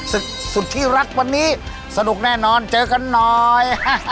ศึกสุดที่รักวันนี้สนุกแน่นอนเจอกันหน่อย